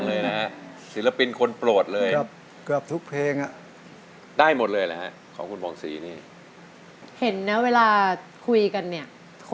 ไม่เห็นว่าเธอจะแบบมีบัลทึก